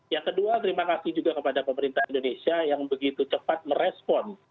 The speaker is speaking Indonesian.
yang kedua terima kasih juga kepada pemerintah indonesia yang begitu cepat merespon